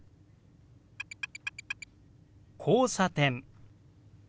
「交差点」。